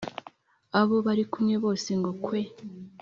abo bari kumwe bose ngo 'kweeeee!'